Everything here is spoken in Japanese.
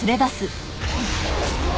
うわ！